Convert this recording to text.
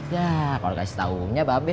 ya kalau kasih tau umumnya bahan be